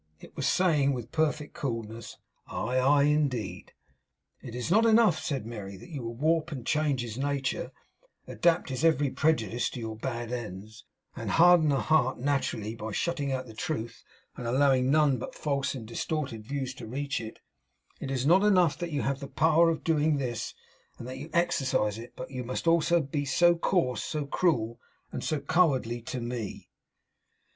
It was saying with perfect coolness, 'Aye, aye! Indeed!' 'Is it not enough,' said Mary, 'that you warp and change his nature, adapt his every prejudice to your bad ends, and harden a heart naturally kind by shutting out the truth and allowing none but false and distorted views to reach it; is it not enough that you have the power of doing this, and that you exercise it, but must you also be so coarse, so cruel, and so cowardly to me?